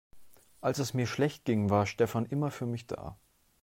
Als es mir schlecht ging, war Stefan immer für mich da.